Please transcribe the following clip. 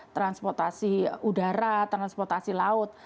transportasi udara transportasi laut